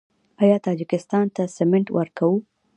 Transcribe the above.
آیا تاجکستان ته سمنټ ورکوو؟